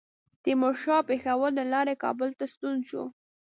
تیمورشاه پېښور له لارې کابل ته ستون شو.